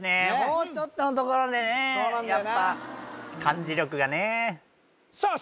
もうちょっとのところでねやっぱ漢字力がねえさあ